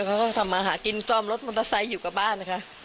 เขาก็ทำมาหากินจ้อมรถมอเตอร์ไซค์อยู่กับบ้านนะคะ